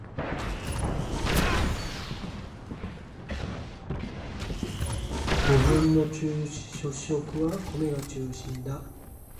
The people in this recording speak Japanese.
日本の主食は米が中心だ